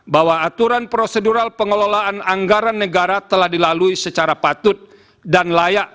bahwa aturan prosedural pengelolaan anggaran negara telah dilalui secara patut dan layak